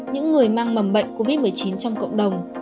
những người mang mầm bệnh covid một mươi chín trong cộng đồng